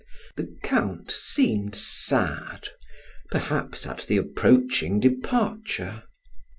The Count seemed sad perhaps at the approaching departure.